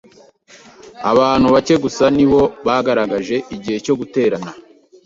Abantu bake gusa ni bo bagaragaje igihe cyo guterana.